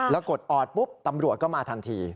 แล้วกดออดปุ๊บตำรวจก็มาทันที